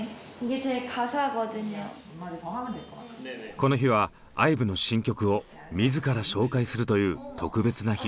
この日はＩＶＥの新曲を自ら紹介するという特別な日。